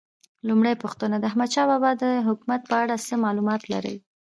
لومړۍ پوښتنه: د احمدشاه بابا د حکومت په اړه څه معلومات لرئ؟